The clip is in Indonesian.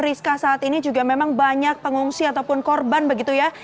rizka saat ini juga memang banyak pengungsi ataupun korban begitu ya